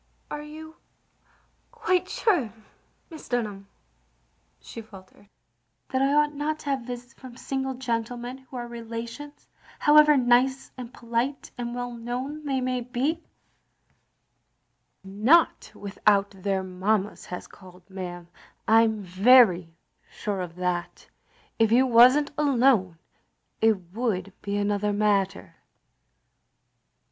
"Are you quite sure, Mrs. Dunham,*' she fal tered, " that I ought not to have visits from single gentlemen, who are relations — ^however nice and polite, and well known they may be?" I30 THE LONELY LADY " Not without their mammas has called, ma'am. I 'm very sure of that. If you was n't alone it would be another matter.